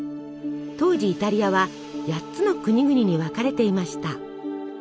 当時イタリアは８つの国々に分かれていました。